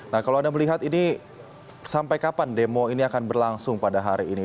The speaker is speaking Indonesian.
nah kalau anda melihat ini sampai kapan demo ini akan berlangsung pada hari ini